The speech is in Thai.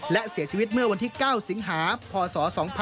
และเสียชีวิตเมื่อวันที่๙สิงหาพศ๒๕๖๒